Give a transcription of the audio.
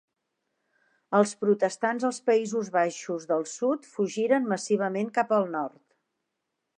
Els protestants als Països Baixos del sud fugiren massivament cap al nord.